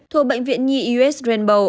thuộc bệnh viện nhi us rainbow